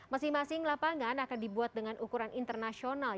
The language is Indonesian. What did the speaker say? masing masing lapangan akan dibuat dengan ukuran internasional